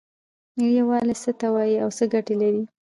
ملي یووالی څه ته وایې او څه ګټې لري؟